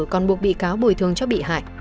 còn buộc bị cáo bồi thương cho bị hại